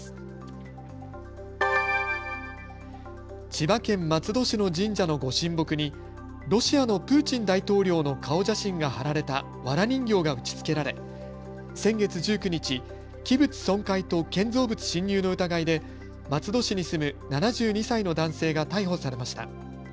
千葉県松戸市の神社のご神木にロシアのプーチン大統領の顔写真が貼られたわら人形が打ちつけられ先月１９日、器物損壊と建造物侵入の疑いで松戸市に住む７２歳の男性が逮捕されました。